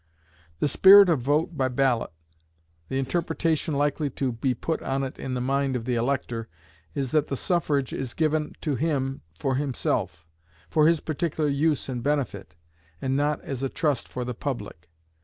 The spirit of vote by ballot the interpretation likely to be put on it in the mind of an elector, is that the suffrage is given to him for himself for his particular use and benefit, and not as a trust for the public.